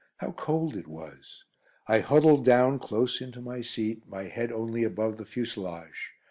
How cold it was. I huddled down close into my seat, my head only above the fuselage.